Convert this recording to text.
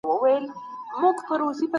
تاسو باید د ټولنې له قوانینو سرغړونه ونه کړئ.